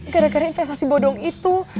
gara gara investasi bodong itu